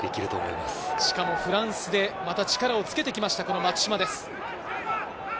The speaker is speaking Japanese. またフランスで力をつけてきました、松島です。